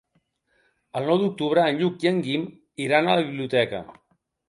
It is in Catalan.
El nou d'octubre en Lluc i en Guim iran a la biblioteca.